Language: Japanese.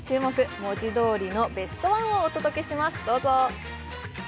文字どおりのベストワンをお届けします。